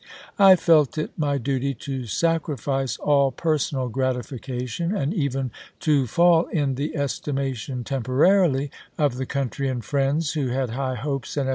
I felt it my duty to sacrifice all personal gratification and even to fall in the estimation, temporarily, of the THE MAKCH TO CHATTANOOGA 45 country and friends who had high hopes and chap.